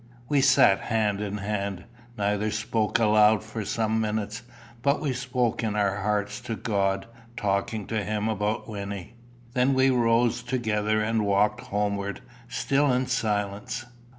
We sat hand in hand. Neither spoke aloud for some minutes, but we spoke in our hearts to God, talking to him about Wynnie. Then we rose together, and walked homeward, still in silence.